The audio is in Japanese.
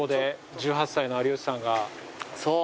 そう！